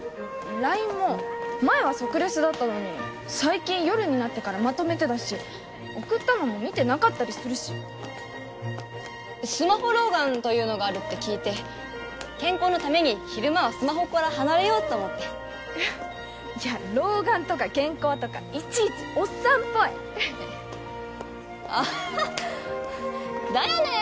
ＬＩＮＥも前は即レスだったのに最近夜になってからまとめてだし送ったのも見てなかったりするしスマホ老眼というのがあるって聞いて健康のために昼間はスマホから離れようと思っていや老眼とか健康とかいちいちおっさんっぽいああだよね